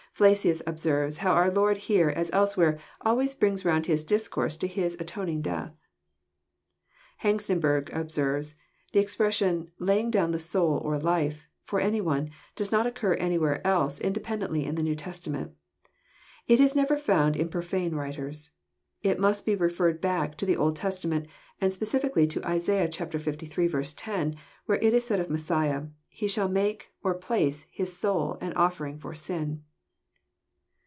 Flacius observes how our Lord here, as elsewhere, always brings round His discourse to His own atoning death. Hengstenberg observes :*' The expression, < laying down the soul or life * for any one, does not occur anywhere else inde pendently in the New Testament. It is never found in profane writers. It must be referred back to the Old Testament, and specially to Isal. liii. 10, where it is said of Messiah, ' He shall make, or place. His soul an offering for sin.'